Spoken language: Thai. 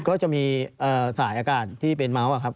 ก็จะมีสายอากาศที่เป็นเมาส์ครับ